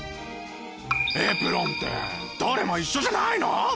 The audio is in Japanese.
エプロンってどれも一緒じゃないの？